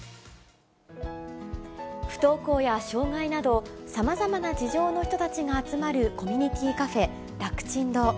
不登校や障がいなど、さまざまな事情の人たちが集まるコミュニティカフェ、楽ちん堂。